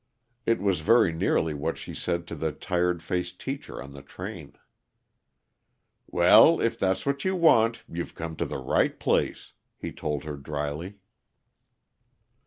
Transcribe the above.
It was very nearly what she said to the tired faced teacher on the train. "Well, if that's what you want, you've come to the right place," he told her dryly.